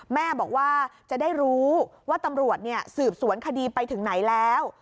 แม่บอกว่าจะได้รู้ว่าตำรวจสืบสวนคดีไปถึงไหนแล้ว